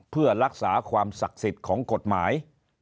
เพื่อรักษาความศักดิ์สิทธิ์ของกฎหมาย